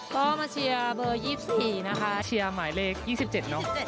ต้องมาเชียร์เบอร์ยี่สิบสี่นะคะเชียร์หมายเลขยี่สิบเจ็ดน้อง